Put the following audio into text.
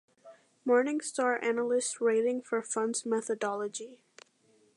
Morningstar Analyst Rating for Funds Methodology